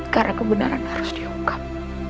karena kebenaran harus diungkap